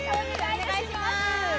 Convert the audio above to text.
お願いします